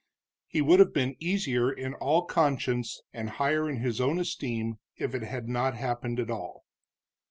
He would have been easier in all conscience and higher in his own esteem if it had not happened at all.